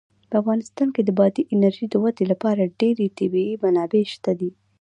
په افغانستان کې د بادي انرژي د ودې لپاره ډېرې طبیعي منابع شته دي.